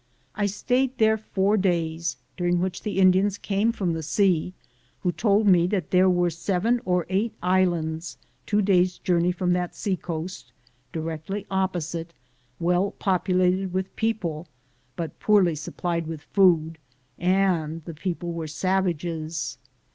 I stayed there four days, during which the Indians 168 am Google THE JOURNEY OF CORONADO came from the sea, who told me that there were seven or eight islands two days' journey from that seacoast, directly opposite, well populated with people, but poorly supplied with food, and the people were savages.